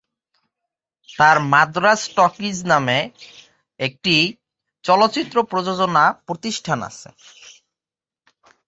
তার 'মাদ্রাজ টকিজ' নামের একটি চলচ্চিত্র প্রযোজনা প্রতিষ্ঠান আছে।